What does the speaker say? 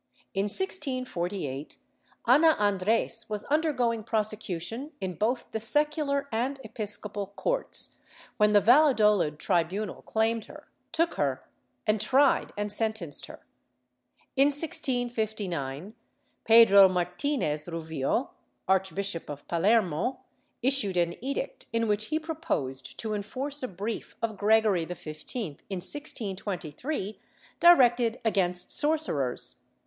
In 1648, Ana Andres was undergoing prosecution in both the secular and episcopal courts, when the ^'alladolid tribunal claimed her, took her and tried and sentenced her.^ In 1659, Pedro Martinez Ruvio, Archbishop of Palermo, issued an edict in which he proposed to enforce a brief of Gregory XV, in 1623, directed against sorcerers.